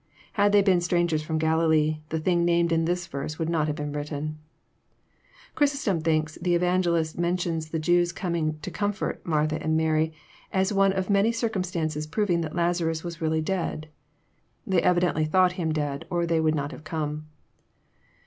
Had they been strangers fl'om Galilee, the thing named in this verse would not have been written. Chrysostom thinks the Evangelist mentioned the Jews coming to comfort Martha and Mary, as one of the many cir cumstances proving that Lazarus was really dead. They evi dently thought him dead, or they would not have come.